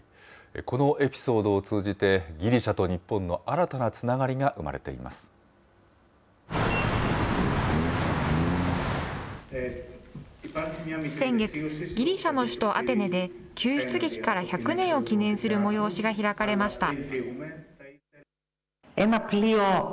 このエピソードを通じて、ギリシャと日本の新たなつながりが先月、ギリシャの首都アテネで、救出劇から１００年を記念する催しが開かれました。